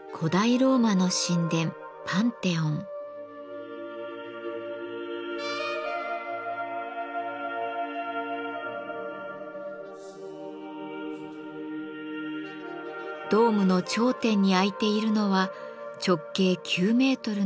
ドームの頂点に開いているのは直径９メートルの完全な円の窓。